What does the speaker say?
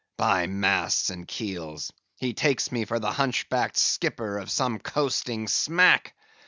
—By masts and keels! he takes me for the hunch backed skipper of some coasting smack.